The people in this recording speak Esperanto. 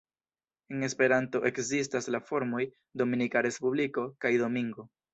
En Esperanto ekzistas la formoj "Dominika Respubliko" kaj "Domingo".